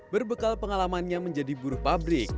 berbekal pengalamannya menjadi buruh pabrik